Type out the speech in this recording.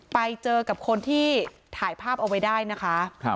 ไปเจอกับคนที่ถ่ายภาพเอาไว้ได้นะคะ